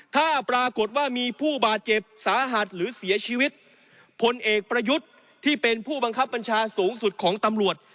ถ้าปรากฏว่ามีผู้บาดเจ็บสาหัสหรือเสียชีวิตพลเอกประยุทธ์ที่เป็นผู้บังคับบัญชาสูงสุดของตำรวจ